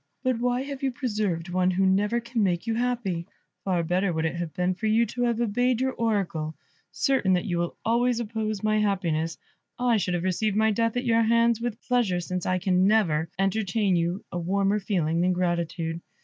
But why have you preserved one who never can make you happy? Far better would it have been for you to have obeyed your Oracle. Certain that you will always oppose my happiness, I should have received my death at your hands with pleasure, since I can never entertain for you a warmer feeling than gratitude.